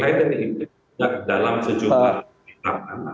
saya juga lihat dalam sejumlah hal